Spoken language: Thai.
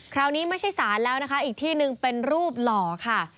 ไม่ใช่ศาลแล้วนะคะอีกที่หนึ่งเป็นรูปหล่อค่ะ